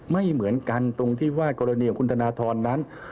ไม่เหมือนกันตรงที่ว่ากรณีของคุณธนทรนั้น